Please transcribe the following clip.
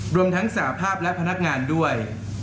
รวมทั้งสาภาพและพนักงานด้วย